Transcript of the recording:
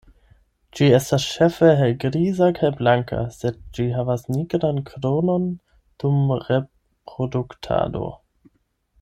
Ĝi estas ĉefe helgriza kaj blanka, sed ĝi havas nigran kronon dum reproduktado.